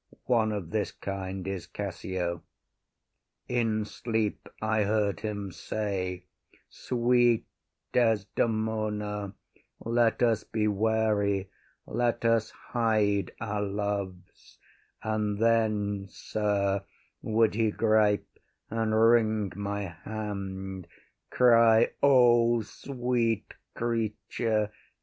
One of this kind is Cassio: In sleep I heard him say, “Sweet Desdemona, Let us be wary, let us hide our loves;” And then, sir, would he gripe and wring my hand, Cry “O sweet creature!